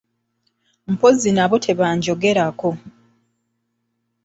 Mpozzi nabo tebaagyogerako.